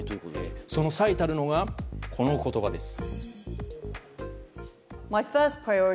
その最たるのが、このお言葉です。